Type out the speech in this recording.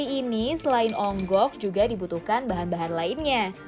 kertas ini selain ongok juga dibutuhkan bahan bahan lainnya